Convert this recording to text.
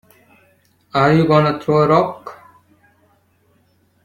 Are you gonna throw a rock?